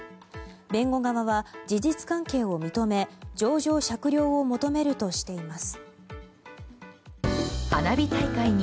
弁護側は事実関係を認め情状酌量を求めるとしています。